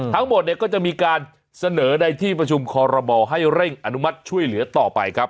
ทั้งหมดเนี่ยก็จะมีการเสนอในที่ประชุมคอรมอให้เร่งอนุมัติช่วยเหลือต่อไปครับ